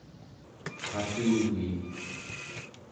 qalluviik